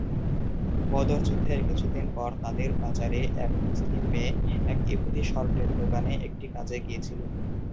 বদর যুদ্ধের কিছুদিন পর তাদের বাজারে এক মুসলিম মেয়ে এক ইহুদি স্বর্ণের দোকানে একটি কাজে গিয়েছিল।